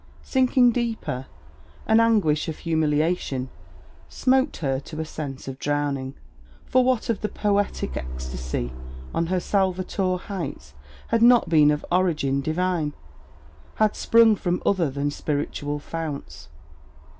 Sinking deeper, an anguish of humiliation smote her to a sense of drowning. For what of the poetic ecstasy on her Salvatore heights had not been of origin divine? had sprung from other than spiritual founts?